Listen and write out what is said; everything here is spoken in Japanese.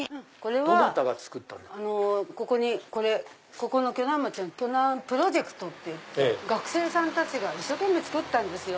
ここの鋸南町の鋸南プロジェクトっていって学生さんたちが一生懸命作ったんですよ。